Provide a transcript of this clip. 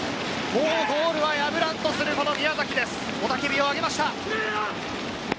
もうゴールは破らせんという宮崎、雄たけびをあげました。